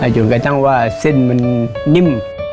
จนกระทั่งว่าเส้นมันนิ่ม